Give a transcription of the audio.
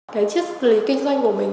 cái chiếc lý kinh doanh của mình